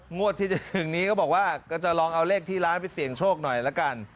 งวดที่จะถึงนี้ก็บอกว่าก็จะลองเอาเลขที่ร้านไปเสี่ยงโชคหน่อยละกัน